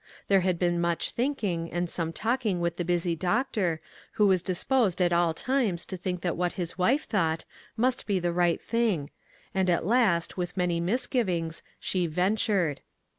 There had been much thinking, and some talking with the busy doctor, who was dis posed at all times to think that what his wife thought, must be the right thing, and 1 66 ONE COMMONPLACE DAY. at last, with many misgivings, she ven tured.